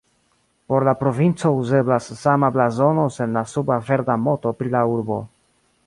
Por la provinco uzeblas sama blazono sen la suba verda moto pri la urbo.